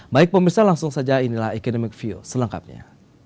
baik pemirsa langsung saja inilah economic view selengkapnya